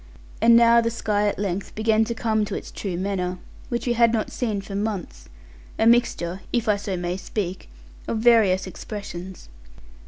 And now the sky at length began to come to its true manner, which we had not seen for months, a mixture (if I so may speak) of various expressions.